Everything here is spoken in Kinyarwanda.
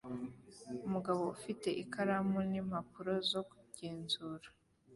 Umugabo ufite ikaramu nimpapuro zo kugenzura